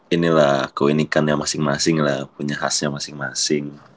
inilah koin ikan yang masing masing lah punya khasnya masing masing